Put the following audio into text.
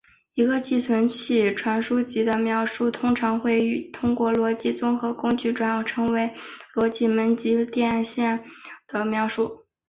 一个寄存器传输级的描述通常会通过逻辑综合工具转换成逻辑门级电路连线网表的描述。